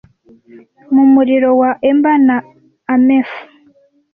Mu muriro wa amber na amethyst.